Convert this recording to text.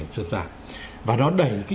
sượt giảm và nó đẩy cái